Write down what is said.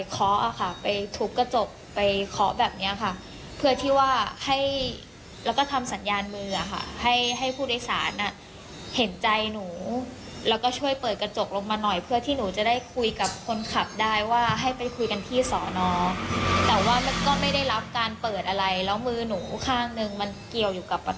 เขาก็เล่นเครื่องออกไปเลยแล้วเขาก็ลากหนูไปเลย